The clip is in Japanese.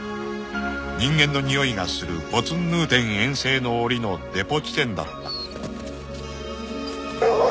［人間のにおいがするボツンヌーテン遠征の折のデポ地点だった］